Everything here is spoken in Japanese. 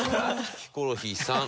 ヒコロヒーさん。